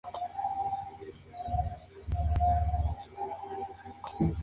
Alrededor del cuello cuelga la cuerda con cabezas de carnero.